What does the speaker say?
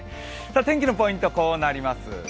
天気のポイント、こうなります。